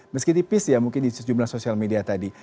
meski tipis ya mungkin di sejumlah sosial media tadi